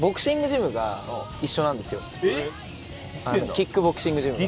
キックボクシングジムが。